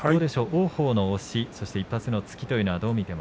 王鵬の押しそして一発の突きというのは。